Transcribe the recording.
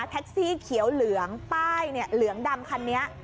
แท็กซี่เขียวเหลืองป้ายเหลืองดำคันนี้